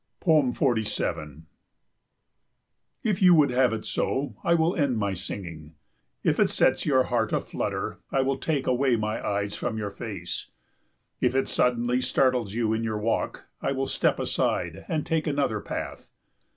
47 If you would have it so, I will end my singing. If it sets your heart aflutter, I will take away my eyes from your face. If it suddenly startles you in your walk, I will step aside and take another path.